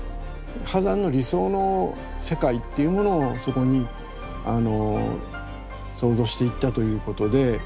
波山の理想の世界っていうものをそこに創造していったということで。